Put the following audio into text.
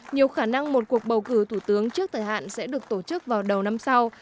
nhiều khả năng một cuộc bầu cử thủ tướng trước thời hạn sẽ được tổ chức vào đầu năm sau